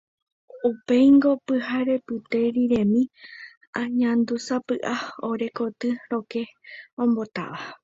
Upéingo pyharepyte riremi añandúsapy'a ore koty rokẽ ombotáva.